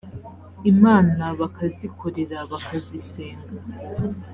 imana bakazikorera bakazisenga